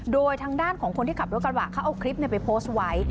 โดยทางด้านของคนที่ขับรถกระบะเขาเอาคลิปไปโพสต์ไว้